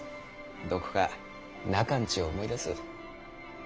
どこか中の家を思い出す。